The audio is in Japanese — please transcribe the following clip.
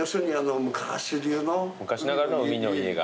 昔ながらの海の家が。